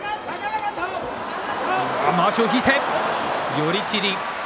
寄り切り。